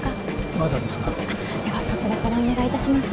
あっではそちらからお願いいたします。